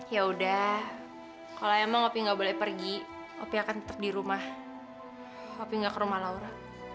ya udah kalau emang ngopi nggak boleh pergi kopi akan tetap di rumah kopi nggak ke rumah laura